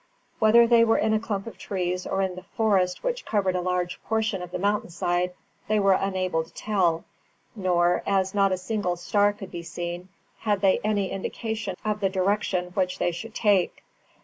Whether they were in a clump of trees or in the forest, which covered a large portion of the mountain side, they were unable to tell; nor, as not a single star could be seen, had they any indication of the direction which they should take.